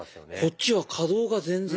こっちは可動が全然。